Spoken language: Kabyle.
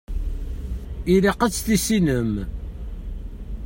Ilaq ad tt-tissinem.